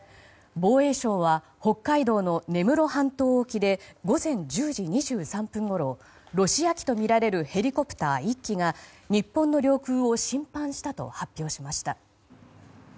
防衛省は北海道の根室半島沖で午前１０時２３分ごろヘリコプター１機が日本の領空を侵犯したと発表しました。